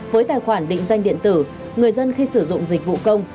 với tài khoản định danh điện tử người dân khi sử dụng dịch vụ công